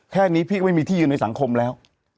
แค่นี้พี่ก็ไม่มีที่ยืนในสังคมแล้ว